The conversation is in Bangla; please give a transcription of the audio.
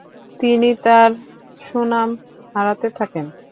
তিনি তার সুনাম হারাতে থাকেন।